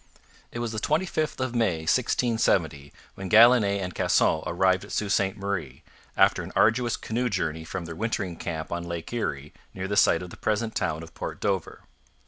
It was the 25th of May 1670 when Galinee and Casson arrived at Sault Ste Marie, after an arduous canoe journey from their wintering camp on Lake Erie, near the site of the present town of Port Dover.